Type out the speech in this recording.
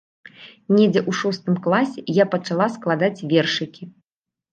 Недзе ў шостым класе я пачала складаць вершыкі.